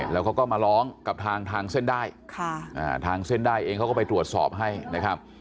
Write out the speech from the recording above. แล้วเขาก็มาร้องกับทางเส้นได้ทางเส้นได้เองเขาก็ไปตรวจสอบให้นะครับ